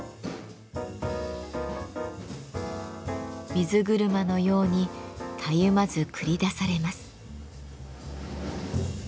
水車のようにたゆまず繰り出されます。